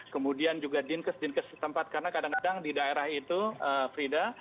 kemudian juga dinkes dinkes setempat karena kadang kadang di daerah itu frida